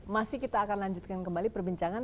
masih kita akan lanjutkan kembali perbincangan